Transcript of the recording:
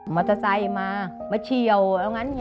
มาเทศัยมามาเชี่ยวอะไรอย่างงั้นเนี่ย